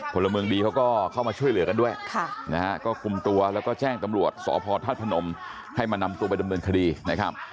พลเมืองดีเขาก็เข้ามาช่วยเหลือกันด้วยนะฮะก็คุมตัวแล้วก็แจ้งตำรวจสพธาตุพนมให้มานำตัวไปดำเนินคดีนะครับ